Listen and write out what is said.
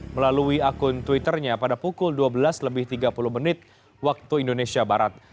melalui akun twitternya pada pukul dua belas lebih tiga puluh menit waktu indonesia barat